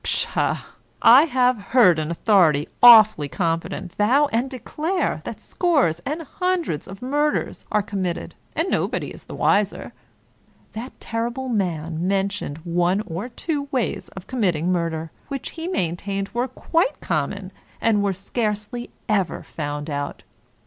Psha! I have heard an authority awfully competent vow and declare that scores and hundreds of murders are com mitted, and nobody is the wiser. That terrible man men tioned one or two ways of committing murder, which he maintained were quite common, and were scarcely ever found out.